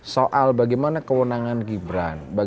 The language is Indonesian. soal bagaimana kewenangan gibran